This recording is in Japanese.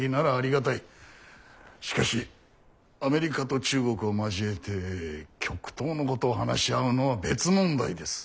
しかしアメリカと中国を交えて極東のことを話し合うのは別問題です。